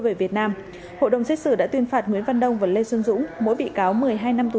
về việt nam hội đồng xét xử đã tuyên phạt nguyễn văn đông và lê xuân dũng mỗi bị cáo một mươi hai năm tù